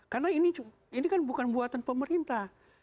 karena ini bukan buatan pemerintah